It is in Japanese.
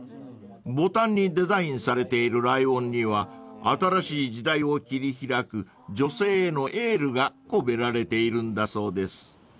［ボタンにデザインされているライオンには新しい時代を切り開く女性へのエールが込められているんだそうです］